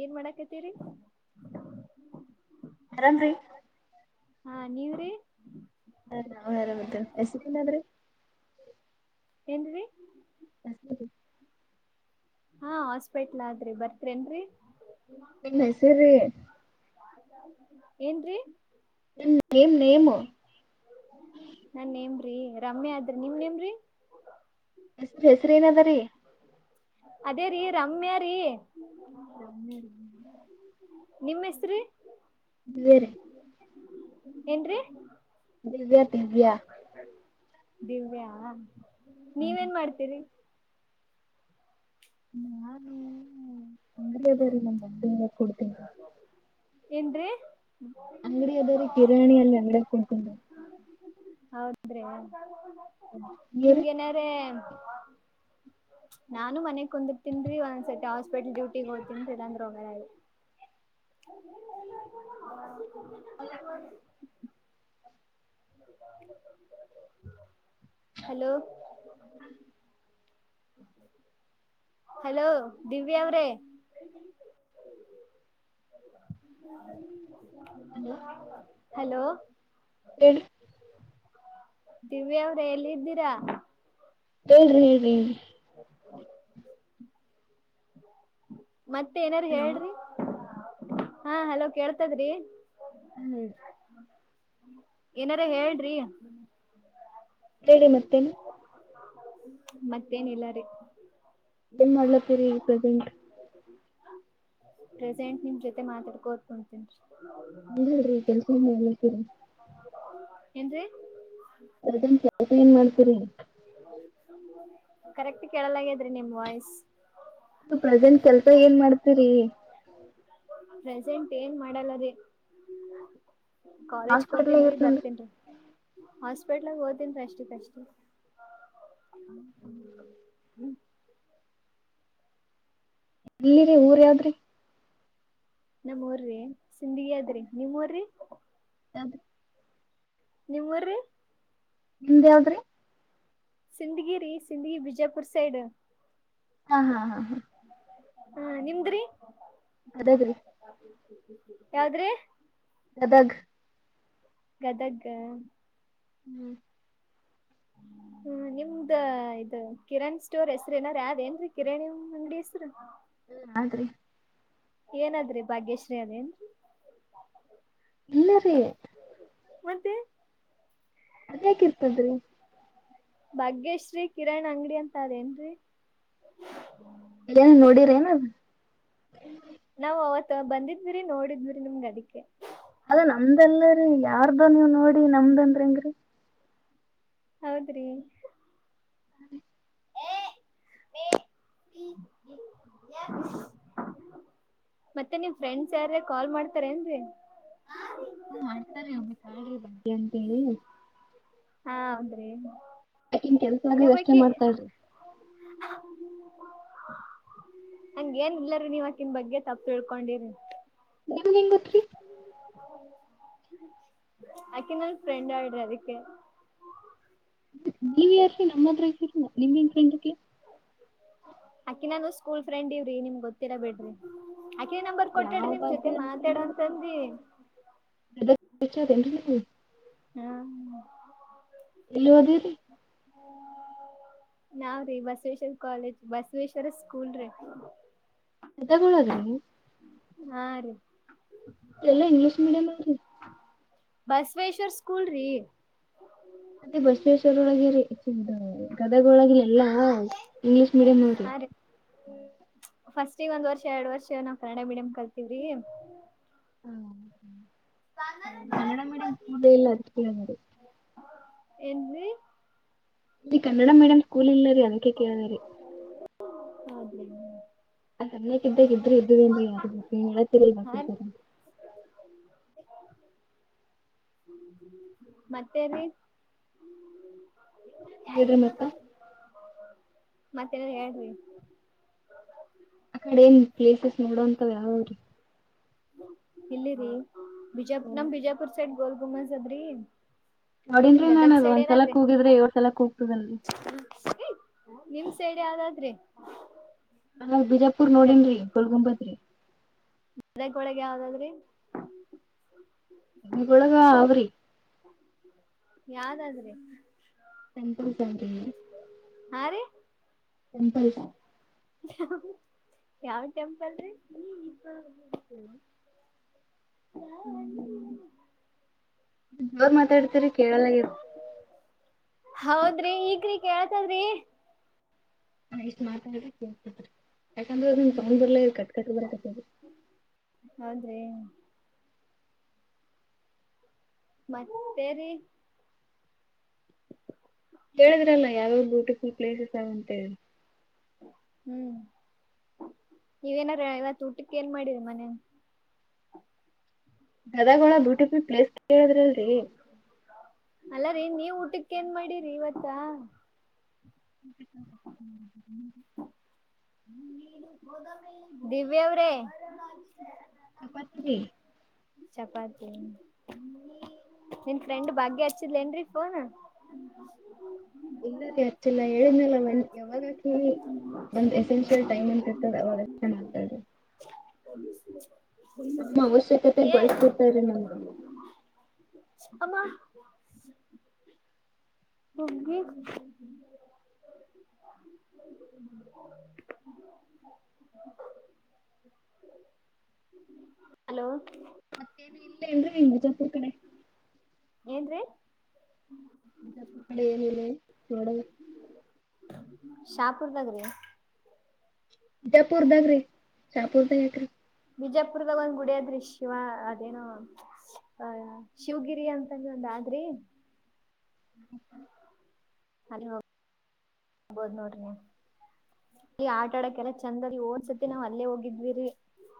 ಏನ್ ಮಾಡಾಕತೀರಿ ಆರಾಮ್ರೀ ಹಾ ನೀವ್ರೀ ಹ ನಾವ್ ಆರಂ [unintelligible] ಏನ್ರೀ [unintelligible] ಹಾ ಹಾಸ್ಪೆಟ್ಲ್ ಆದ್ರಿ ಬರ್ತಿರೆನ್ರೀ ನಿಮ್ ಹೆಸರಿ ಏನ್ರೀ ನೇಮ್ ನೇಮು ನನ್ ನೇಮ್ರೀ ರಮ್ಯಾ ಆದ್ರಿ ನಿಮ್ ನೆಮ್ರೀ ಹೆಸ್ರ್ ಹೆಸ್ರೆನದರಿ. ಅದೇ ರೀ ರಮ್ಯಾ ರೀ. ರಮ್ಯಾ ನಾ ನಿಮ್ಮ ಹೆಸ್ರಿ ಬೇರೆ ಏನ್ರಿ ದಿವ್ಯಾ ದಿವ್ಯಾ ದಿವ್ಯಾ ಹ್ಮ್. ನೀವೇನ್ ಮಾಡ್ತೀರಿ. ನಾನು ಅಂಗಡಿಯ ಬರೀ ನಮ ಬಂದ ಕೊಡ್ತಿನ್ ರೀ. ಏನ್ರೀ ಅಂಗಡಿ ಅದ್ರ ಕಿರಾಣಿ ಅಲ್ಲಿ ಅಂಗಡಿಯಗ್ ಕುಂತಿನ್ರಿ. ಹೌದ್ರಿ ನೀವ್ರಿ ನಿಮ್ಗೆ ನ್ರೆ ನಾನು ಮನೆಗ್ ಕುಂದಿ ತಿನ್ರಿ ಒಂದೊಂದ್ಸತಿ ಹಾಸ್ ಹಸ್ಪಿಟಲ್ ಡ್ಯೂಟಿಗೆ ಹತೀನಲ್ಲಂದ್ರೋಗ. [inaudible] ಹಲೋ ಹ್ಮ ಹಲೋ ದಿವ್ಯಾ ಅವ್ರೇ. ಹಲೋ ಹಲೋ ಹೇಳಿ ದಿವ್ಯ ಅವ್ರೆ ಎಲ್ಲಿದ್ದೀರಾ. ಹೇಳ್ರಿ ಹೇಳ್ರಿ ಮತ್ತೆ ಏನಾರು ಹಲೋ ಹೇಳ್ರಿ. ಹಾ ಹಲೋ ಕೇಳ್ತದ್ರಿ. ಹ್ಮ್ ಏನಾರ ಹೇಳ್ರಿ. ಹೇಳ್ರಿ ಮತ್ತೇನು ಮತ್ತೇನಿಲ್ಲಾ ರಿ. ಏನ್ ಮಾಡ್ಲತ್ತರಿ ಪ್ರೆಸೆಂಟ್. ಪ್ರೆಸೆಂಟ್ ನಿಮ್ ಜೊತೆ ಮಾತಾಡ್ಕೋದಕೊತ ಕುಂತಿಂಡ್ರಿ. ಇಲ್ರಿ ಕೆಲಸ್ಸ್ ಮಾಡ್ಲಾಕತೀನ್ರಿ ‌. ಏಂಡ್ರಿ ಪ್ರಜೆಂಟ್ ಕೆಲಸ್ಸ ಏನ್ ಮಾಡ್ಲತಿರಿ. ಕರೆಕ್ಟ್ ಕೇಳಲಾಗಿದ್ರಿ ನಿಮ್ ವಾಯ್ಸ್. ಪ್ರೆಸೆಂಟ್ ಕೆಲ್ಸ ಏನ್ ಮಾಡ್ತೀರಿ. ಪ್ರೆಸೆಂಟ್ ಏನ್ ಮಾಡಲ್ಲ ರಿ. ಕಾಲೇಜ್ಗೆ ಹಾಸ್ಪಿಟ್ಲ್ ಹೋಗ್ತೀನ್ ಡ್ರಿ ಇರ್ತ ಬರ್ತನ್ ಡ್ರಿ ಹಾಸ್ಪೆಟಲ್ ಡ್ರಿ ಓತನ್ ಡ್ರಿ ಅಷ್ಟಕ್ ಅಷ್ಟು. ಹ್ಮ ಹ್ಮ್ ಹ್ಮ್ ನೀವು ಊರ್ ಯಾವ್ದ್ ರೀ. ನಮ್ ಊರ್ರಿ ಸಿಂದಗಿ ಹಾದ್ರಿ ನಿಮ್ಮ್ ಊರ್ರಿ. ಯಾವ್ದು ನಿಮ್ಮ ಊರ್ರಿ ನಿಮ್ದು ಯಾವ್ದಾದ್ರಿ ಸಿಂದಗಿ ರಿ ಸಿಂದಗಿ ಬಿಜಾಪುರ್ ಸೈಡ್. ಹಾ ಹಾ ಹಾ ಹಾ ಹಾ ನಿಮ್ದರಿ ಗದಗ್ರಿ ಯಾವದ್ರಿ ಗದಗ್ ಗದಗ ಹ ಹ್ಮ್ [inaudible] ಹ್ಮ ನಿಮ್ದ ಇದು ಕಿರಣ್ ಸ್ಟೋರ್ ಹೆಸ್ರು ಏನರ್ ಹಾದ ಏನ್ರೀ ಕಿರಣ್ ಅಂಗಡಿ ಹೆಸ್ರು ಹ್ಮ ಹಾದ್ರಿ ಏನಾದ್ರಿ ಭಾಗ್ಯಶ್ರೀ ಅದೇನ್ ಇಲ್ಲ ರೀ ಮತ್ತೆ ಅದ್ಯಾಕ ಇರ್ತದ್ರಿ ಭಾಗ್ಯೇಶ್ರೀ ಕಿರಣ್ ಅಂಗಡಿ ಅಂತ ಅದೇನ್ರೀ ಏನ್ ನೋಡಿರ ಏನ ನಾವ್ ಅವತ್ ಬಂದಿದ್ವಿರಿ ನೋಡಿದ್ವಿರಿ ನಿಮ್ಗ ಅದಕ್ಕೆ ಅದ ನಮ್ದಲ್ಲರಿ ಯಾರ್ದು ನೀವ ನೋಡಿ ನಮ್ದ ಅಂದ್ರ ಹೆಂಗ್ರಿ ಹೌದ್ರಿ [inaudible] ಮತ್ತೆ ನಿವ ಫ್ರೆಂಡ್ಸ್ ಯಾರ ಕಾಲ್ ಮಾಡ್ತಾರ ಏನ್ೀ ಹ್ಮ ಮಾಡಡ್ತಾರೀ ಒಮ್ಮೆ ಕಾ್ರಿ ಬದ್ಯ ಅಂತೇಳಿ ಹಾ ಹೌದ್ರಿ ಯಾಕನ್ ಕೆಲ್ಸ ಆಗದ ಅಷ್ಟೇ ಇನ್ನೊಬ್ಬಕಿ ಮಾಡ್ತಾ್ರಿ ಹಂಗೇಏನ್ಿಲ್ಲರಿೀ ನೀವಕನ್ ಬಗ್ಗೆ ತಪ್ಪು ತಿಳ್ಕೊಂಡಿರಿ ಹೆಂಗ ಗತ್ರಿ ಅಕ ನಲ್ ಫ್ರೆಂಡ್ ಆಡ್ರಿ ಅದಕ್ಕೆ ನೀವ ಯಾರೀ ನಮ್ಮತ್ರ ರಿ ನಿಮನ್ ಫ್ರೆಂಡಕ್ಕೆ ಅಕಿ ನಾನು ಸ್ಕೂಲ್ ಫ್ರೆಂಡ್ ಇವ್ರಿ ನಿಮ್ ಗೊತ್ತಿಲ್ಲಾ ಬಿೇಡ್ರಿ ಆಕೆ ನಂಬರ್ ಕೊಟ್ಟಡಿ ಯಾವ್ ನಿಮ ಜೊತೆ ಮಾತಾಡ ಅಂತಂದ ಎ ತ ಹ್ಮ್ ಎಲ್ಲಿುವದರಿ ನಾವ್ರೀ ಬಸವೇಶ್ವರ ಕಾಲೇಜ್ ಬಸವೇಶ್ವರ ಸ್ಕೂಲ್ ರೀ ತಗೋಳದ್ರಿ ಹಾ ರೀ ಎಲ್ಲಾ ಇಂಗ್ಲೀಷ್ ಮೀಡಿಯಂ ಅಲ್ರಿ ಬಸವೇಶ್ವರ್ ಸ್ಕೂಲ್ ರೀ ಮತ್ತೆ ಬಸವೇಶ್ವರ ಒಳಗೆ ಚ ಅದಗೊಳಗ ಎಲ್ಲಾ ಇಂಗ್ಲಿೀಷ್ ಮೀಡಿಯಂ್ ಅವ್ರಿ ಫಸ್ಟ್ ಈಗ ಒಂದ್ ವರ್ಷ ಎರಡ್ ವರ್ಷ ನಾವ್ ಕನ್ನಡ ಮೀಡಿಯಂ ಕಲ್ತವ್ರಿ ಹ ಕನ್ನಡ ಮೀಡಿಯಂ ಸ್ಕೂಲ್ ಇಲ್ಲ ಅಕ್ಕ ಮ್ರ ಎನ್ ಇಲ್ಲಿ ಕನ್ನಡ ಮೀಡಿಯಂ ಸ್ಕೂಲ್ ಇಲ್ಲ್ಲರಿ ಅದಕ್ಕೆ ಕೇಳದರಿ ಅದ ಆ ಸಣ್ಣಕ್ಕ ಇದ್ದಾಗ ಇದ್ರರು ಇದ್ದುವ ಅನ್ರು ಯಾರಿ ಬ ನೀ ಹೇಳತೀರಲ್ಲ ಬಾಕರ ಮತ್ತೆ ರ ನೀರ ಮತ್ತ ಮತ್ತೆಲ್ಲ ಹೇಳೇಿ ಆ ಕಡೆ ಏನ್ ಪ್ಲೇಸಸ್ ನೋಡೋ ಅಂತಾವ ಯಾವೀ ಇಲ್ಲಿರಿ ಬಿಜಾ ನಮ ಬಿಜಾಪುರ್ ಸೈಡ್ ಗೋಲ್ ಗುಮನ್ಸದ್ರಿ ನೋಡನ್ರಿ ನಾನನ್ ಅ್ ಒಂದ್ಸಲ ಕೂಗಿದ್ರೆ ಏಡ್ ಸಲಕ್ ಕೂಗ್ತದನ್ರಿ ನಿಮ್ ಸೇಡ್ ಯಾವ್ದಾದ್ರಿ ನಾಗ್ ಬಿಜಾಪುರ್ ನೋಡನ್ರಿ ಗೋಲ್ಗುಂಬತ್್ರಿ ಮದಕ್ಕ ಒಳಗೆ ಯಾವ್ದಾದ್ರಿ ಹಗಳ ಮಾವರಿ ಯಾವದಾದ್ರಿ, [unintelligible] ಹಾ ರೀ, ಟೆಂಪಲ್, ಯಾವ ಟೆಂಪಲ್ ರೀ, ಹಲೋ, ಹ್ಮ, ಜೋರ್ ಮಾತಾಡ್ತರಿ ಕೇಳಲ ಆಗ್ಯಾದ್, ಹೌದ್ರಿ ಈಗ್ರಿ ಕೇಳ್ತದ್ರಿ. ಹಾ ಇಷ್ಟು ಮಾತಾಡ್ರ ಕೇಳ್ತಿದ್ರಿ, ಯಾಕಂದ್ರ ಸೌಂಡ್ ಬರಲ್ಲ ಕಟ್ಕಟ್ ಬರಾಕತ್, ದ್ರಿ [inaudible] ಮತ್ತೇರಿ, ಹೇಳಿದ್ರಲ್ಲ ಯಾವಾವ್ ಬ್ಯೂಟಿಫುಲ್ ಪ್ಲೇಸಸ್ ಆ ವಂತ ಹೇಳಿ, ಹ್ಮ್ ಇವೇನಾರ ಇವತ್ತು ಊಟಕ್ಕ್ ಏನ್ ಮಾಡಿರಿ ಮನೇಗ. ಗದಗ ಒಳ್ಗ ಬ್ಯೂಟಿಫುಲ್ ಪ್ಲೇಸ್ ಕೇಳಿದ್ರಲ್ರರಿ. ಅಲ್ಲಾರೀ ನೀವ್ ಊಟಕ್ಕ ಏನ್ ಮಾಡಿರಿ ಇವತ್ತ. [inaudible] ದಿವ್ಯ ಅವರೇ, ಚಪಾತಿರಿ ಚಪಾತಿ, ನಿನ್ ಫ್ರೆಂಡ್ ಭಾಗ್ಯ ಹಚ್ಚಿದ್ಲೇನ್ರರಿ ಫೋನ್, ಇಲ್ಲ ರೀ ಅಚ್ಚಿಲ್ಲ ಹೇಳಿದ್ನಲ್ಲನ್ ಯಾವಾಗ ಆಕಿಗಿ ಅವಾಗ ಅಷ್ಟೇ ಮಾತಾಡ್ರಿ. [inaudible] ನಮ್ಮ ಅವಶ್ಯಕತೆಗ್ ಏ ಬಳಸ್ಕೊಡ್ತ್ರ ನಮಗ. ಆಮ್ಮ, ಬುಗ್ಗಿ, [inaudible] ಹಲೋ, ಮತ್ತೇನು ಇಲ್ಲೇನ್ರಿ ಬಿಜಾಪುರ್ ಕಡೆ, ಏನ್ರೀ, ಬಿಜಾಪುರ್ ಕಡೆ ಏನಿಲ್ಲ ನೋಡಲ್ ಶಾಪುರದ್ಗ ರಿ, ಜಪುರ್ದಾಗ ರೀ ಶಾಪುರ್ಧಗ ಯಾಕರಿ. ಬಿಜಾಪುರದಾಗ ಒಂದ್ ಗುಡಿ ಆದ್ರಿ ಶಿವ ಅದೇನೋ ಅ ಶಿವಗಿರಿ ಅಂತಂದ್ರ ಒಂದ, ಆದ್ರಿ, [inaudible] [inaudible] [inaudible] ಆಗ್ಬೋದ್ ನೋಡ್ರಿ ನೀವ್ ಅಲ್ಲಿ ಆಟ ಆಡಕ್ಕೆೆಲ್ಲ ಚಂದ ರಿ ಓಂದ್ಸತಿ ನಾವ್ ಅಲ್ಲೇ ಹೋಗಿದ್ವಿರಿ.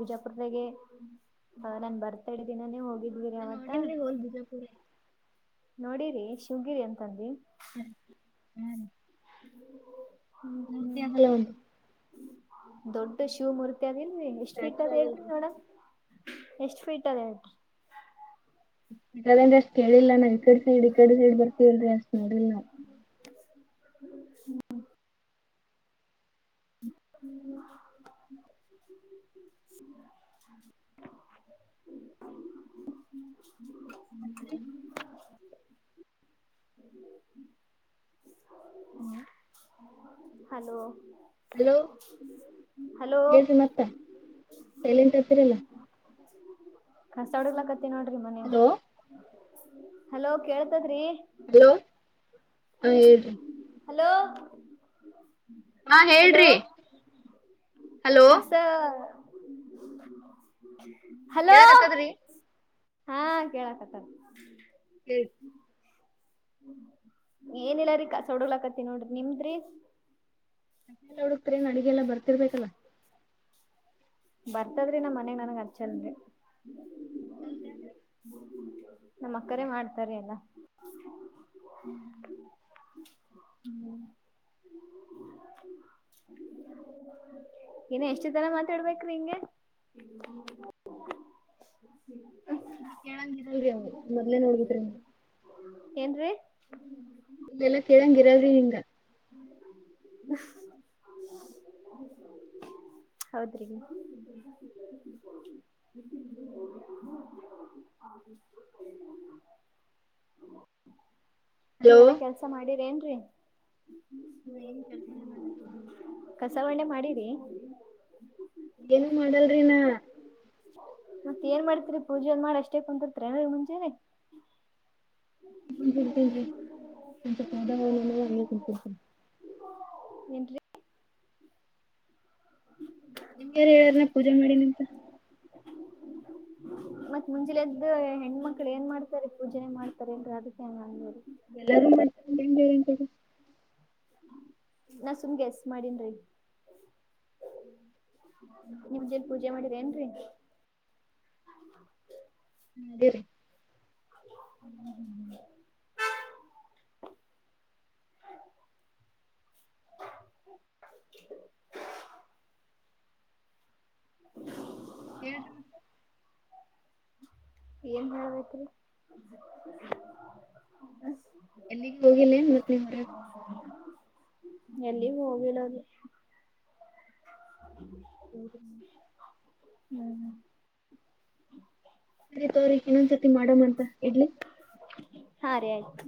ಬಿಜಾಪುರ್, ದ್ಗೆ ಬ ನನ್ ಬರ್ತಾಡೇ ದಿನಾನೇ ಹೋಗಿದ್ವಿರಿ ನಾ ಅವತ್ತ, ನೋಡೇನ್ರಿ ಹೋಲ್ ಬಿಜಾಪುರ ನೋಡರಿ ಶಿವಗಿರಿ ಅಂತದಿ. ಹ್ಮ್, ಹ್ಮ್ ಹ್ಮ್ ಹ್ಮ್ ಅದಲ್ಲ ಒಂದು ದೊಡ್ಡ ಶಿವಮೂರ್ತಿ, ದಿಲ್ರಿ ಎಷ್ಟ್ ಫಿಟ್ ಸ್ಟ್ಯಾಚು ಆದ್ ಹೇಳೇರಿ ಅದಲ್ರಿ. ನೋಡಮ, ಎಷ್ಟ್ ಫಿಟ್ ಆದ್ ಹೇಳೇರಿ, ಯಾದಂದ್ರೆ ಅಷ್ಟ್ ಕೇಳಿಲ್ಲಾ ನಾವ್ ಈ ಕಡೆ ಸೈಡ್ ಈ ಕಡೆ ಸೈಡ್ ಬರ್ತವಲ್ ಅಷ್ಟ್ ನೋಡಿಲ್ಲ ನಾವು. ಹ್ಮ, [inaudible] [inaudible] ಮತ್ತ್ ರಿ, ಹಲೋ, ಹ [inaudible] ಹೇಳಿ ಮತ್ತ ಸೈಲಿನ್ಟ್ ಹತೀರಲ್ಲ. ಕಷ್ಟಡಗ್ಲ ಕತ್ತ ನೋಡ್ರಿ ಮನೆ ಹಲೋ ಕೇಳ್ತದ್ರಿ ಹಲೋ ಹಾ ಹೇಳ್ರಿ ಹಲೋ ಹಾ ಹಲೋ ಹೇಳ್ರಿ. ಹಲೋ ಕಸ ಹಲೋ ಕೇಳಾಕತ್ತದ್ರಿ. ಹಾ ಕೇಳಕ್ಕತ್ತದ. ಹ ಏನಿಲ್ಲ ರೀ ಕಸ ಹೊಡಲಕತ್ತೀನಿ ನೋಡ್ರಿ ನಿಮ್ದ್ರಿ. ಲ್ಲ ಹುಡುಕ್ತರೇನ್ ಅಡಗೆಲ್ಲ ಬರ್ತಿರ್ಬೇಕಲ್ಲಾ. ಬರ್ತದ್ರಿ ನಮ್ಮ್ ಮನೆಗ್ ನನ್ಗ್ ಹಚ್ಚಲ್ರಿ. ಕಲ್ ಕ ಹ [inaudible] ನಮ್ಮಕ್ಕರೇ ಮಾಡ್ತಾರ ಎಲ್ಲ. ಹ್ಮ್ ಹ್ಮ್ [inaudible] ಇನ ಎಷ್ಟುತ್ತರ ಮಾತಾಡ್ಬೇಕು ಹಿಂಗೆ. [inaudible] ಇಲ್ಲಿ ಕೇಳಂಗಿಲ್ರಿ ಅವು ಮೊದ್ಲೆೇ ನೋಡ್ಗಿದ್ರಿ ನೀ. ಏನ್ರೀ. ಇದೆಲ್ಲಾ ಕೇಳಂಗ ಇರಲ್ರಿ ಹಿಂಗ. [inaudible] ಹೌದ್ರೀ. [inaudible] ಹ [unintelligible] [inaudible] ಹಲೋ ನೀವೆಲ್ಲಾ ಕೆಲ್ಸ ಮಾಡಿರಿ ಏನ್ರಿ? ನಾ ಏನ್ ಕೆಲಸನೇ ಮಾಡಲ್ಲ. ಕಸ ಬಂಡೆ ಮಾಡಿರಿ ಏನು ಮಾಡಲ್ರಿನಾ? ಮತ್ತ ಏನ್ ಮಾಡ್ತಿರಿ ಪೂಜೆಗ್ ಮಾಡಿ ಅಷ್ಟೇ ಕುಂದತ್ರಿ ಮುಂಜಾನೆ. [unintelligible] ಏನ್ರೀ. ಹ್ಮ ನಿಮ್ಗಾರ ಹೇಳರೆ ಪೂಜೆ ಮಾಡಿನೀಂತ. ಮತ್ ಮುಂಜಲೆದ್ದು ಹೆಣ್ಮಕ್ಳು ಏನ್ ಮಾಡ್ತಾರೆ ಪೂಜನೆ ಮಾಡ್ತಾರೆ ಅಲ್ರಿ ಅದಕ್ಕೆ ಹಂಗದದು. ಎಲ್ಲಾರೂ ಮಾಡ್ತ್ [unintelligible] ನಾ ಸುಮ್ ಗಸ್ ಮಾಡನ್ರಿ. ನಿವ್ ಜನ್ ಪೂಜೆ ಮಾಡಿದ್ರ ಏನ್ರೀ. ದೇರಿ. ಹ [unintelligible] [inaudible] ಹ [unintelligible] ಹೇಳ್ರಿ ಮತ್ತ. ಏನ್ ಹೇಳ್ಬೇಕ್ರಿ. ಎಲ್ಲಿಗೂ ಹೋಗಿಲ್ಲೇನ್ ಮತ್ತ. ಎಲ್ಲಿಗೂ ಹೋಗಿಲ್ಲರಿ. ಹ್ಮ [unintelligible] ಹ್ಮ್ ಸರಿ ತೋರಿ ಇನ್ನೊಂದ್ ಸತಿ ಮಾಡಮಂತ ಇಡ್ಲಿ. ಹಾ ರ ಆಯ್ತು